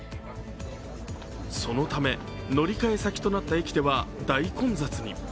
そのため、乗り換え先となった駅では大混雑に。